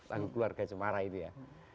lalu keluarga cemara itu ya